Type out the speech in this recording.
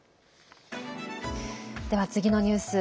では、次のニュース。